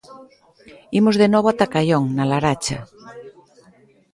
Imos de novo ata Caión, na Laracha.